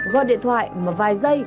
gọi điện thoại mà vài giây